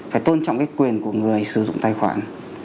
phải tôn trọng cái quyền của người sử dụng tài khoản